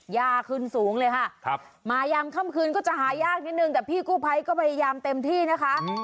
ยาขึ้นสูงเลยค่ะมายามค่ำคืนก็จะหายากนิดนึงแต่พี่กู้ภัยก็พยายามเต็มที่นะคะ